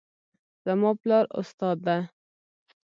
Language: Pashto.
زما پلار استاد ده